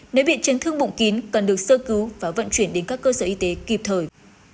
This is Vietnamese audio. nếu bị chấn thương bụng kín cần được sơ cứu và vận chuyển đến các cơ sở y tế kịp thời